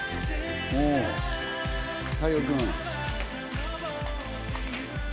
太陽君。